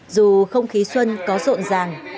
dù không khí xuân có rộn ràng